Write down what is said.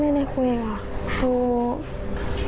แม่ได้คุยหรือ